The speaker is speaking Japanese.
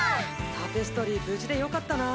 タペストリー無事でよかったな。